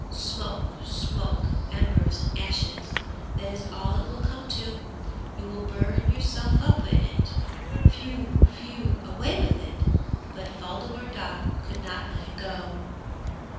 Smoke smoke, embers and ashes, that is all it will come to! You will burn yourself up in it. Whew! whew! away with it! But Waldemar Daa could not let it go.